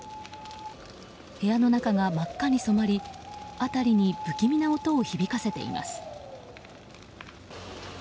部屋の中が真っ赤に染まり辺りに不気味な音を響かせています。